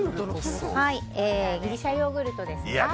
ギリシャヨーグルトですね。